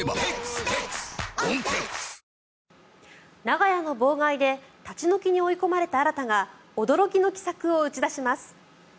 長屋の妨害で立ち退きに追い込まれた新が驚きの奇策を打ち出します。